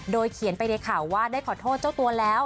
โดยเขียนไปในข่าวว่าได้ขอโทษเจ้าตัวแล้ว